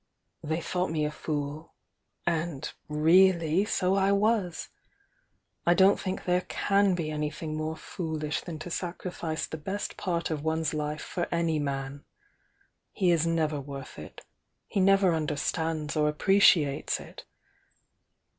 They thought me a fool, — and really, so I was! I don't think there can be anything more foolish than to sacrifice the best part of one's life for any man. He is never worth it, — he never understands or appreciates it.